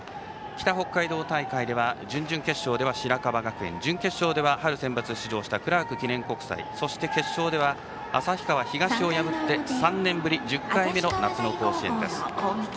北北海道大会では準々決勝では白樺学園準決勝では春センバツに出場したクラーク記念国際そして、決勝では旭川東を破って３年ぶり１０回目の夏の甲子園です。